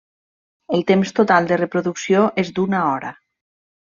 El temps total de reproducció és d'una hora.